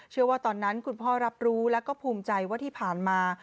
ว่าตอนนั้นคุณพ่อรับรู้แล้วก็ภูมิใจว่าที่ผ่านมา